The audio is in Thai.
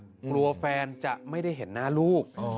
อ๋อตัวผู้หญิงกลัวแฟนจะไม่ได้เห็นหน้าลูก